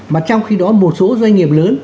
mà trong khi đó một số doanh nghiệp lớn